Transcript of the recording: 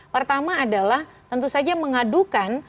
pertama adalah tentu saja mengadukan